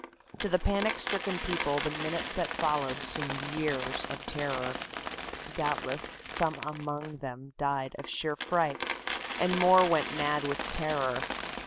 To the panic stricken people the minutes that followed seemed years of terror. Doubtless some among them died of sheer fright and more went mad with terror.